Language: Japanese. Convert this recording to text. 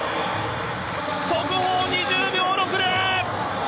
速報２０秒６０！